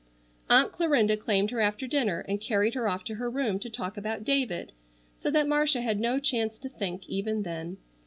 Aunt Clarinda claimed her after dinner and carried her off to her room to talk about David, so that Marcia had no chance to think even then.